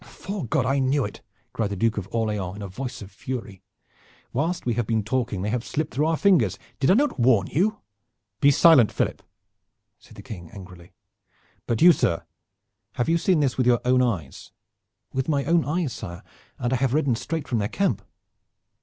"'Fore God, I knew it!" cried the Duke of Orleans in a voice of fury. "Whilst we have been talking they have slipped through our fingers. Did I not warn you?" "Be silent, Philip!" said the King angrily. "But you, sir, have you seen this with your own eyes?" "With my own eyes, sire, and I have ridden straight from their camp."